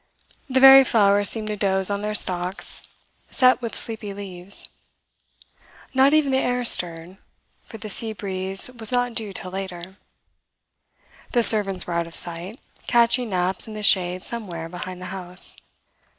The very flowers seemed to doze on their stalks set with sleepy leaves. Not even the air stirred, for the sea breeze was not due till later. The servants were out of sight, catching naps in the shade somewhere behind the house.